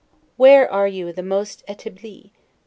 Where are you the most 'etabli'?